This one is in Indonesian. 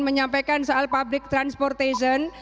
menyampaikan soal public transportation